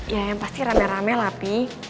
ya yang pasti rame rame rapi